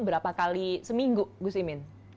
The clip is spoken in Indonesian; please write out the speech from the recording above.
berapa kali seminggu gus imin